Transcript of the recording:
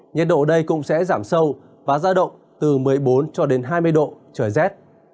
nhiệt độ ở đây cũng sẽ giảm sâu và ra động từ một mươi bốn cho đến hai mươi độ trời rét